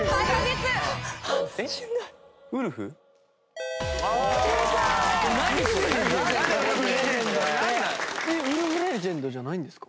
ウルフレジェンドじゃないんですか？